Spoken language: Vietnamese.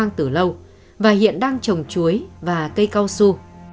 vàng xeo xánh là một đối tượng hoang tử lâu và hiện đang trồng chuối và cây cao su